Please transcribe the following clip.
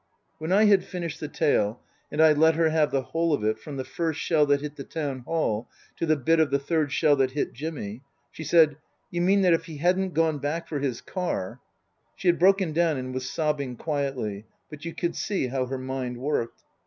When I had finished the tale and I let her have the whole of it, from the first shell that hit the Town Hall to the bit of the third shell that hit Jimmy she said, " You mean that if he hadn't gone back for his car " She had broken down and was sobbing quietly, but you could see how her mind worked.